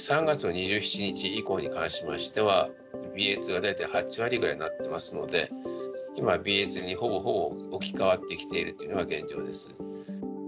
３月２７日以降に関しましては、ＢＡ．２が大体８割ぐらいになっていますので、今、ＢＡ．２にほぼほぼ置き換わってきているというのが現状です。